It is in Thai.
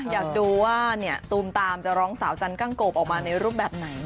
อยากดูว่าตูมตามจะร้องสาวจันกั้งโกบออกมาในรูปแบบไหน